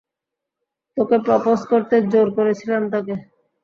তোকে প্রপোজ করতে জোর করেছিলাম তাকে।